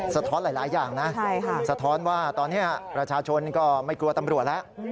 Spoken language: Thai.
สะท้อนหลายอย่างนะสะท้อนว่าตอนนี้ประชาชนก็ไม่กลัวตำรวจแล้ว